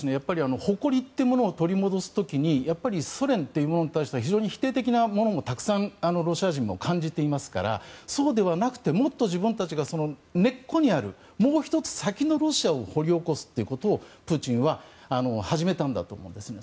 誇りというものを取り戻す時にやっぱりソ連というものに対して非常に否定的なものもたくさんロシア人も感じていますからそうではなくてもっと自分たちが根っこにあるもう１つ先のロシアを掘り起こすということをプーチンは始めたんだと思うんですね。